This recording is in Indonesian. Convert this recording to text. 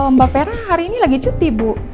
mbak vera hari ini lagi cuti bu